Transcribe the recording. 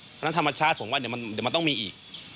เพราะฉะนั้นธรรมชาติผมว่าเดี๋ยวมันต้องมีอีก